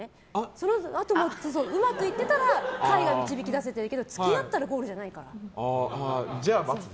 そのあともうまくいってたら解が導き出せてるけど付き合ったらゴールじゃないから。